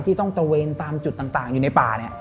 ที่ต้องตะเวนตามจุดต่างอยู่ในป่าเนี่ย